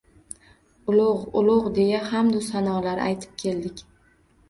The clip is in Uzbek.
Ulug‘, ulug‘... deya hamdu sanolar aytib keldik.